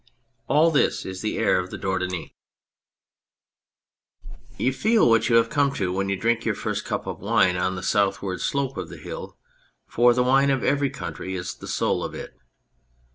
All this is the air of the Dordogne. 79 On Anything You feel what you have come to when you drink your first cup of wine on the southward slope of the hill, for the wine of every country is the soul of it.